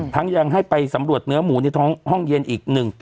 ยังให้ไปสำรวจเนื้อหมูในท้องห้องเย็นอีกหนึ่ง